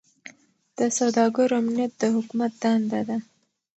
د سوداګرو امنیت د حکومت دنده ده.